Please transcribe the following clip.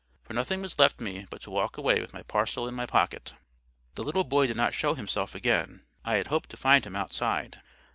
For nothing was left me but to walk away with my parcel in my pocket. The little boy did not show himself again. I had hoped to find him outside.